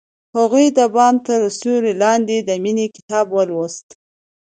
هغې د بام تر سیوري لاندې د مینې کتاب ولوست.